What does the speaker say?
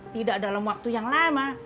tidak dalam waktu yang lama